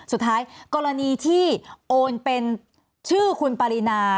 สุดท้ายกรณีที่โอนเป็นชื่อคุณปรินา